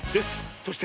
そして。